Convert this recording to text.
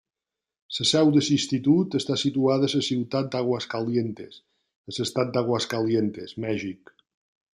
La seu de l'Institut està situada a la ciutat d'Aguascalientes, a l'Estat d'Aguascalientes, Mèxic.